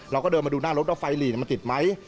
เราก็เดินมาดูหน้ารถว่าไฟหลีมันติดไหม